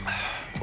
え？